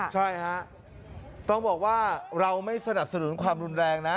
ใช่ฮะต้องบอกว่าเราไม่สนับสนุนความรุนแรงนะ